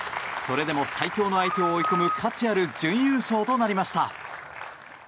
それでも最強の相手を追い込む価値ある準優勝となりました。